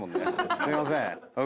すいません。